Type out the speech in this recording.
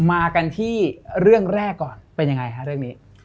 มากันที่เรื่องแรกก่อนเป็นยังไงฮะเรื่องนี้